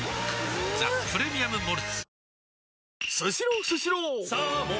「ザ・プレミアム・モルツ」